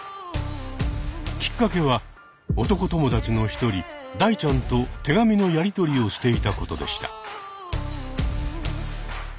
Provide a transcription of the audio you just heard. きっかけは男友達の一人ダイちゃんと手紙のやり取りをしていたことでした。